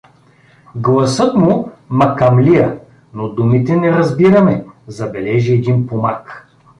— Гласът му „макамлия“, но думите не разбираме — забележи един помак.